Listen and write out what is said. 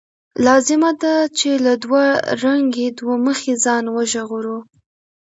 لازمه ده چې له دوه رنګۍ، دوه مخۍ ځان وژغورو.